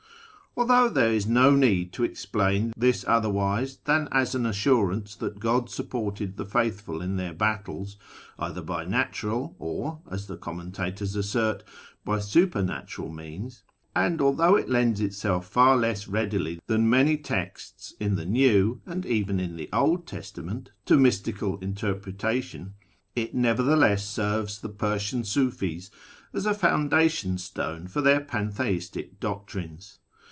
Although there is no need to explain this otherwise than as an assurance that God sup ported the faithful in their battles, either by natural or (as the commentators assert) by supernatural means, and although it lends itself far less readily than many texts in the New and even in the Old Testament to mystical interpretation, it never theless serves the Persian Sufi's as a foundation stone for their pantheistic doctrines.